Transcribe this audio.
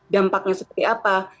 dampaknya seperti apa